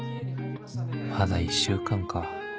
まだ１週間か